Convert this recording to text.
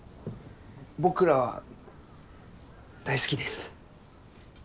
僕らは大好きです。